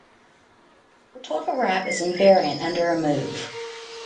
The total wrap is invariant under a move.